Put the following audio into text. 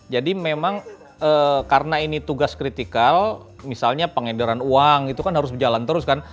jadi memang karena ini tugas kritikal misalnya pengedaran uang itu kan harus berjalan terus kan